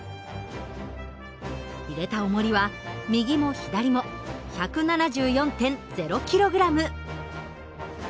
入れたおもりは右も左も１７４．０ｋｇ。